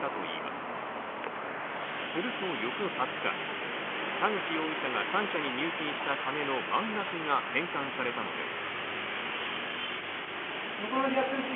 すると翌２０日田口容疑者が３社に入金した金の満額が返還されたのです。